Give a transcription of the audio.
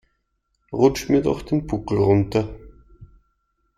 Rutsch mir doch den Buckel runter.